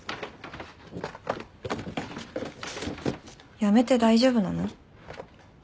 辞めて大丈夫なの？